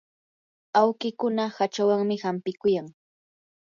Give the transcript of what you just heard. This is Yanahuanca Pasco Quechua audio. awkikuna hachawanmi hampikuyan.